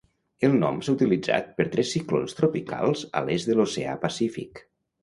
El nom s"ha utilitzat per tres ciclons tropicals a l"est de l"Oceà Pacífic.